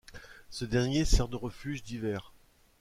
Ce dernier sert de refuge d'hiver.